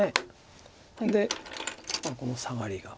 でこのサガリが。